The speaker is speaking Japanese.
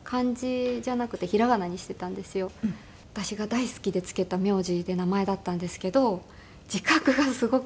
私が大好きで付けた名字で名前だったんですけど字画がすごく悪くて。